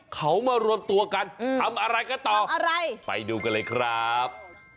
เขามารวมตัวกันทำอะไรกันต่ออะไรไปดูกันเลยครับ